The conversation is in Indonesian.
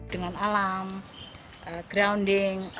dengan alam grounding earthing itu sangat bagus untuk kesehatan fisik maupun mental